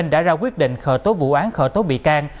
đã ra quyết định khởi tố vụ án khởi tố bị can